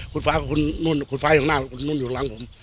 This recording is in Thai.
คุณฟ้ากับคุณนุ่นคุณฟ้าอยู่ข้างหน้าคุณนุ่นอยู่ข้างหลังผม